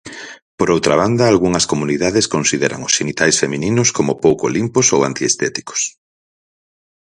Por outra banda, algunhas comunidades consideran os xenitais femininos como pouco limpos ou antiestéticos.